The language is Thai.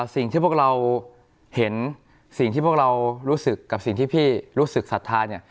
สิ่งที่พวกเราเห็นสิ่งที่พวกเรารู้สึกกับสิ่งที่พี่รู้สึกศรัทธาเนี่ย